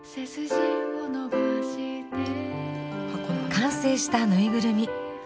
完成したぬいぐるみ。